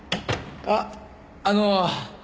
あっあの。